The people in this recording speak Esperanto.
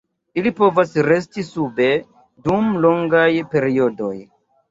Ili povas resti sube dum longaj periodoj.